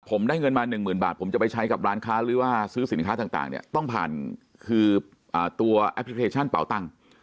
ผมได้เงินมา๑๐๐๐บาทผมจะไปใช้กับร้านค้าหรือว่าซื้อสินค้าต่างเนี่ยต้องผ่านคือตัวแอปพลิเคชันเป่าตังค์